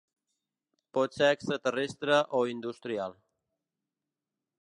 Pot ser extraterrestre o industrial.